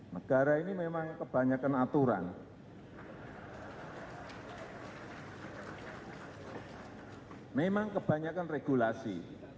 negara ini memang kebanyakan aturan memang kebanyakan regulasi